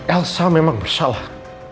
elsa memang bersalah